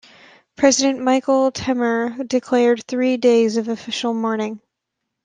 President Michel Temer declared three days of official mourning.